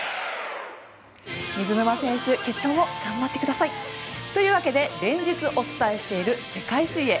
水沼選手決勝も頑張ってください！というわけで連日お伝えしている世界水泳。